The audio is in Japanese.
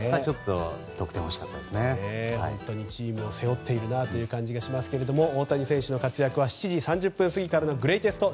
チームを背負っているなという感じがしますけれども大谷選手の活躍は７時３０分過ぎグレイテスト